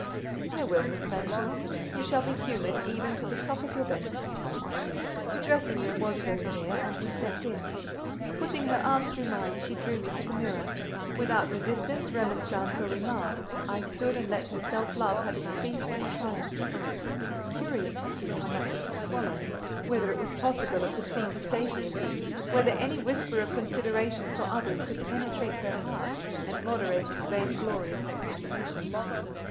"I will, Miss Fanshawe: you shall be humoured even to the top of your bent." The dressing room was very near, and we stepped in. Putting her arm through mine, she drew me to the mirror. Without resistance remonstrance, or remark, I stood and let her self love have its feast and triumph: curious to see how much it could swallow—whether it was possible it could feed to satiety—whether any whisper of consideration for others could penetrate her heart, and moderate its vainglorious exultation.